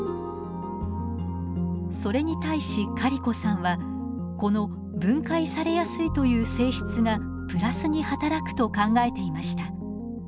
それに対しカリコさんはこの分解されやすいという性質がプラスに働くと考えていました。